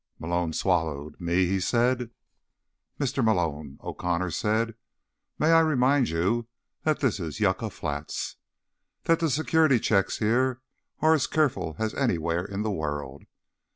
Malone swallowed. "Me?" he said. "Mr. Malone," O'Connor said. "May I remind you that this is Yucca Flats? That the security checks here are as careful as anywhere in the world?